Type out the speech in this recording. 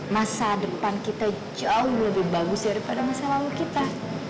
masa depan kita jauh lebih bagus daripada masa lalu kita